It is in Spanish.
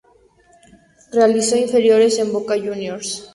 Realizó inferiores en Boca Juniors.